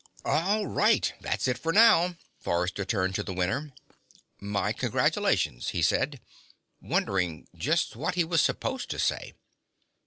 "All right, that's it for now." Forrester turned to the winner. "My congratulations," he said, wondering just what he was supposed to say.